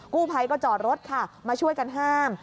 กู้ภัยก็จอดรถค่ะมาช่วยกันห้าม